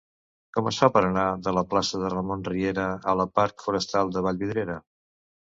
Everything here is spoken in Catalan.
Com es fa per anar de la plaça de Ramon Riera a la parc Forestal de Vallvidrera?